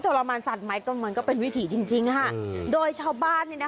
ทรมานสัตว์ไหมก็มันก็เป็นวิถีจริงจริงค่ะโดยชาวบ้าน